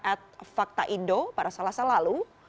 at fakta indo para salah salah lalu